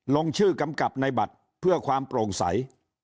ลงชื่อกำกับในบัตรเพื่อความโปร่งใส